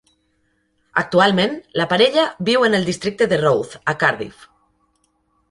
Actualment, la parella viu en el districte de Roath, a Cardiff.